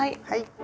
はい。